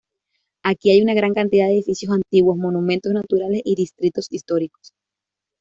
Aquí hay una gran cantidad de edificios antiguos, monumentos naturales y distritos históricos.